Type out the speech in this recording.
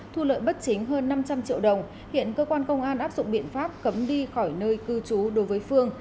thu lợi bất chính hơn năm trăm linh triệu đồng hiện cơ quan công an áp dụng biện pháp cấm đi khỏi nơi cư trú đối với phương